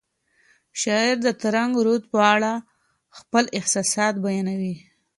شاعر د ترنګ رود په غاړه خپل احساسات بیانوي.